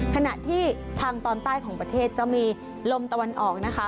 ขณะที่ทางตอนใต้ของประเทศจะมีลมตะวันออกนะคะ